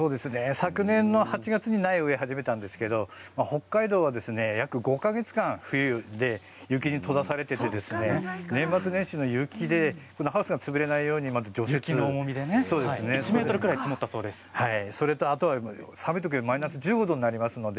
昨年の８月に苗を植え始めたんですけれども北海道は約５か月間、冬で雪に閉ざされていて年末年始の雪でハウスが潰れないように除雪あとは寒いときはマイナス１５度になりますので